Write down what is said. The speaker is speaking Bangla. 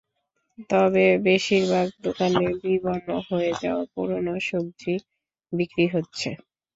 তবে বেশির ভাগ দোকানে বিবর্ণ হয়ে যাওয়া পুরোনো সবজি বিক্রি হচ্ছে।